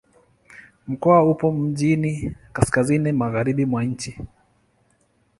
Mkoa upo mjini kaskazini-magharibi mwa nchi.